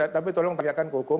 tapi tolong tanyakan ke hukum